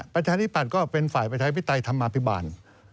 ประชาธิปัตย์ก็เป็นฝ่ายประชาธิปไตยธรรมาภิบาล